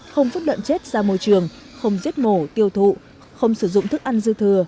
không phức lợn chết ra môi trường không giết mổ tiêu thụ không sử dụng thức ăn dư thừa